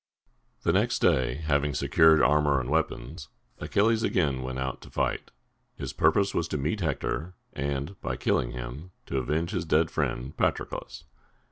The next day, having secured armor and weapons, Achilles again went out to fight. His purpose was to meet Hector, and, by killing him, to avenge his dead friend, Patroclus.